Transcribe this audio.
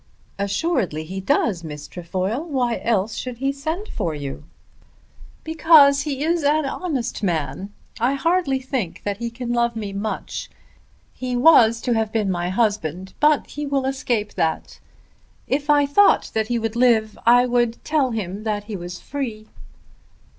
"Assuredly he does, Miss Trefoil. Why else should he send for you?" "Because he is an honest man. I hardly think that he can love me much. He was to have been my husband, but he will escape that. If I thought that he would live I would tell him that he was free."